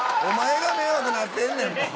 おまえが迷惑なってんねん。